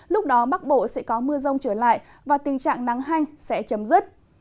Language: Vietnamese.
lúc đó bắc bộ sẽ có mưa rông trở lại và tình trạng nắng hanh sẽ chấm dứt